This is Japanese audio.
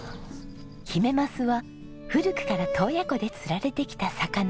ヒメマスは古くから洞爺湖で釣られてきた魚。